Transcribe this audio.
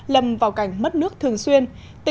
lầm vào cảnh mất nước thường xuyên